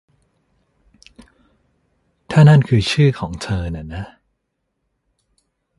ถ้านั่นคือชื่อของเธอน่ะนะ